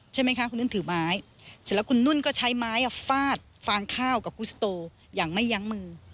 ใช่ไหมคะคุณนุ่นถือไม้เสร็จแล้วคุณนุ่นก็ใช้ไม้ฟาดฟางข้าวกับกุศโตอย่างไม่ยั้งมือ